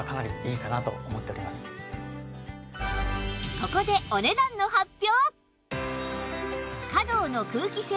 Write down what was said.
ここでお値段の発表！